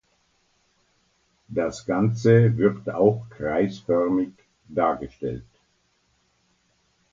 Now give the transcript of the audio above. Das Ganze wird auch kreisförmig dargestellt.